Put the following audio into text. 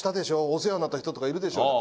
お世話になった人とかいるでしょう？